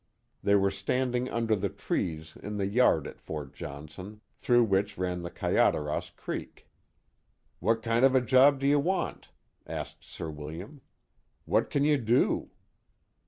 They were stand ing under the trees in the yard at Fort Johnson, through which ran the Kayaderos Creek. What kind of a job do you want ?asked Sir William. What can you do